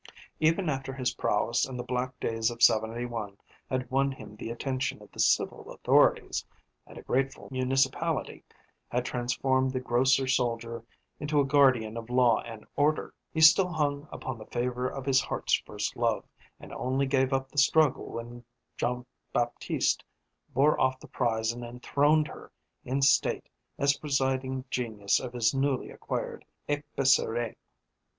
Even after his prowess in the black days of '71 had won him the attention of the civil authorities, and a grateful municipality had transformed the grocer soldier into a guardian of law and order, he still hung upon the favour of his heart's first love, and only gave up the struggle when Jean Baptiste bore off the prize and enthroned her in state as presiding genius of his newly acquired épicerie.